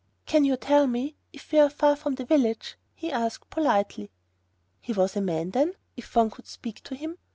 "Can you tell me if we are far from the village?" he asked, politely. He was a man, then, if one could speak to him!